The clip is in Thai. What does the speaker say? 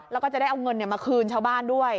แล้วก็จะได้เอาเงินมาคืนชาวบ้านด้วย